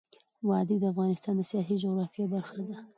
وادي د افغانستان د سیاسي جغرافیه برخه ده.